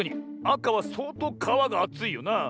あかはそうとうかわがあついよなあ。